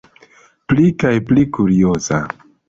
Pli kaj pli kurioza.